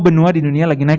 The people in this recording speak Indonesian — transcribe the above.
benua di dunia lagi naik